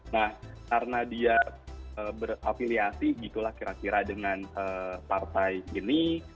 nah karena dia berafiliasi gitu lah kira kira dengan partai ini